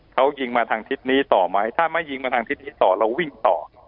เขายิงมาทางทิศนี้ต่อไหมถ้าไม่ยิงมาทางทิศนี้ต่อเราวิ่งต่อ